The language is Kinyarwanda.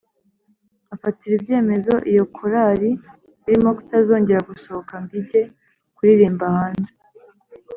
afatira ibyemezo iyo Korari, birimo kutazongera gusohoka ngo ijye kuririmba hanze.